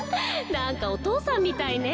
なんかお父さんみたいね。